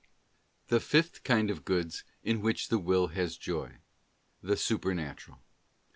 The fifth kind of goods, in which the Will has Joy: the Supernatural.